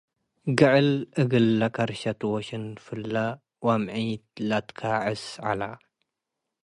ግዕል እግል ለከርሸት ወሽንፍላ ወአምዒት ለአትክዕስ ዐለ።